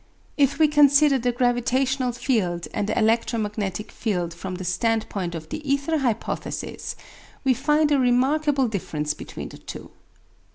If we consider the gravitational field and the electromagnetic field from the stand point of the ether hypothesis, we find a remarkable difference between the two.